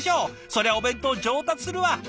そりゃお弁当上達するわ！